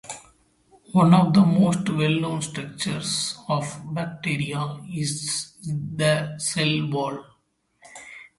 One of the most well-known structures of bacteria is the cell wall.